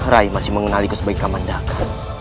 rai masih mengenaliku sebagai kamandaka